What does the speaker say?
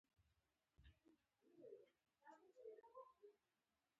همدلته پر همدې چوکۍ کرزى ناست و.